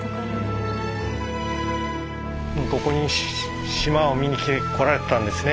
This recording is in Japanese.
ここに島を見に来られてたんですね